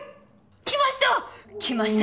来ました！